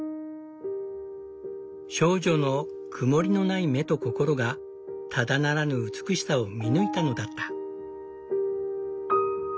少女の曇りのない目と心がただならぬ美しさを見抜いたのだった。